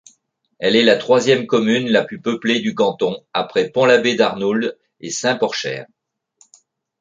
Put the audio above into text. Elle est la troisième commune la plus peuplée du canton après Pont-l'Abbé-d'Arnoult et Saint-Porchaire.